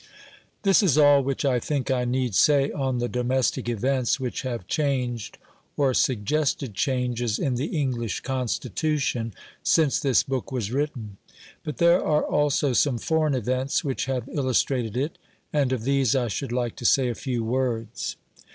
This is all which I think I need say on the domestic events which have changed, or suggested changes, in the English Constitution since this book was written. But there are also some foreign events which have illustrated it, and of these I should like to say a few words.